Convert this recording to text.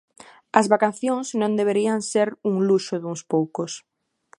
As vacacións non deberían ser un luxo duns poucos.